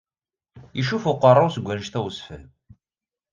Icuf uqerru-w seg wanect-a n usefhem.